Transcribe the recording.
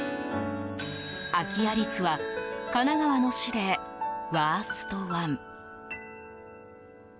空き家率は神奈川の市でワーストワン。